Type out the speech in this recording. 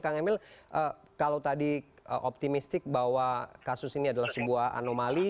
kang emil kalau tadi optimistik bahwa kasus ini adalah sebuah anomali